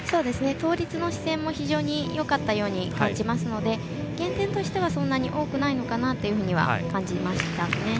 倒立の姿勢も非常によかったように感じますので減点としてはそんなに多くないのかなとは感じましたね。